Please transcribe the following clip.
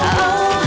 kau duet sejati